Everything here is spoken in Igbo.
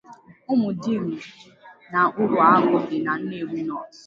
Ụmụdim na Uruagụ dị na 'Nnewi North'